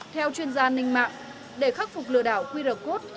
theo chuyên gia ninh mạng để khắc phục lừa đảo qr code